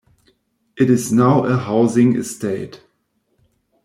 It is now a housing estate.